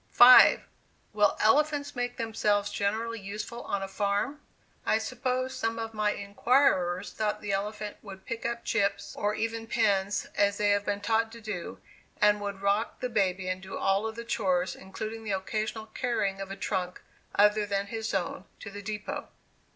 5. "Will elephants make themselves generally useful on a farm?" I suppose some of my inquirers thought the elephant would pick up chips, or even pins as they have been taught to do, and would rock the baby and do all the chores, including the occasional carrying of a trunk, other than his own, to the depot.